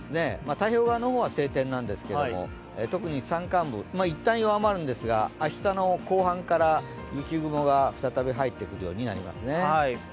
太平洋側の方は、晴天なんですけれども特に山間部、一旦弱まるんですが、明日の後半から雪雲が再び入ってくるようになりますね。